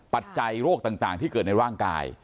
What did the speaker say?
ปัจจัยโรคต่างที่เกิดในร่างกาย